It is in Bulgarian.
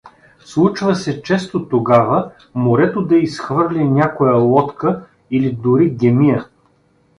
Случва се често тогава морето да изхвърли някоя лодка или дори гемия.